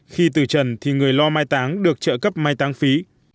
khi từ trần thì người lo mai táng được trợ cấp mai tăng phí